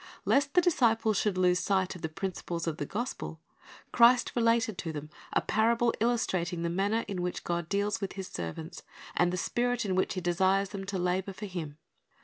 Lest the disciples should lose sight of the principles of the gospel, Christ related to them a parable illustrating the manner in which God deals with His servants, and the spirit in which He desires them to labor for Him.